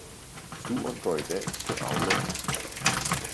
Turen går i dag til Aulum